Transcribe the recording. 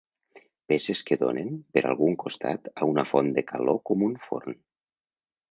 Peces que donen, per algun costat, a una font de calor com un forn.